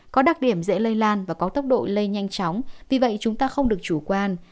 có đặc điểm dễ lây lan và có tốc độ lây nhanh chóng vì vậy chúng ta không được chủ quan